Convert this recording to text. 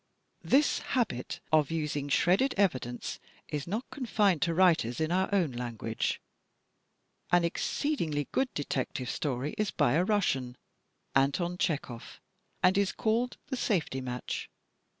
This habit of using shredded evidence is not confined to writers in our own language. *An exceedingly good detective story is by a Russian, Anton Chekhov, and is called the "Safety Match."